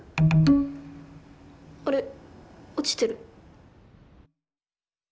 あれ落ちてる。